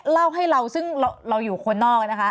เล่าให้เราซึ่งเราอยู่คนนอกนะคะ